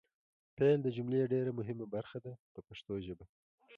فعل د جملې ډېره مهمه برخه ده په پښتو ژبه.